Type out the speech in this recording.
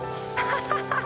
ハハハ